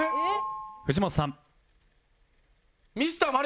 藤本さん